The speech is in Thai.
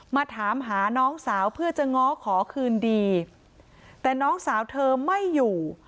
มาถามหาน้องสาวเพื่อจะง้อขอคืนดีแต่น้องสาวเธอไม่อยู่